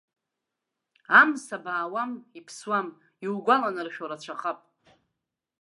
Амса баауам, иԥсуам, иугәаланаршәо рацәахап.